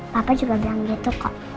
bapak juga bilang gitu kok